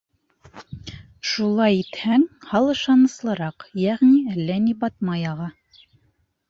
Шулай итһәң, һал ышаныслыраҡ, йәғни әллә ни батмай аға.